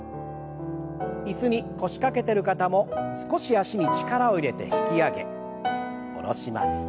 椅子に腰掛けてる方も少し脚に力を入れて引き上げ下ろします。